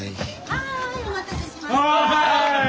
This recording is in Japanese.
はいお待たせしました。